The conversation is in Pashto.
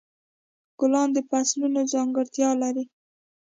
ګلان د فصلونو ځانګړتیا لري.